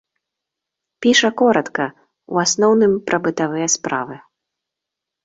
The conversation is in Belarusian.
Піша коратка, у асноўным, пра бытавыя справы.